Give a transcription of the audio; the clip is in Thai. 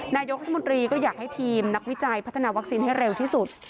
นายกรัฐมนตรีก็อยากให้ทีมนักวิจัยพัฒนาวัคซีนให้เร็วที่สุด